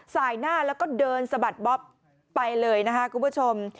สายหน้าแล้วก็เดินสะบัดบ๊อบไปเลยนะคะคุณผู้ชม